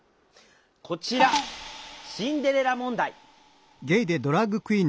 こちら「シンデレラ問題」。